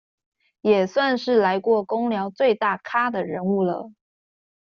也算是來過工寮最大咖的人物了